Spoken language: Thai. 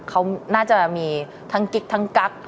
เขาน่าจะมีทั้งกิ๊กทั้งกั๊ก